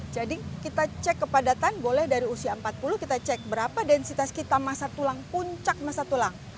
jadi kita cek kepadatan boleh dari usia empat puluh kita cek berapa densitas kita masar tulang puncak masar tulang